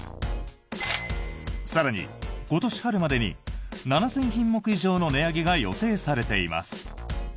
更に、今年春までに７０００品目以上の値上げが予定されています。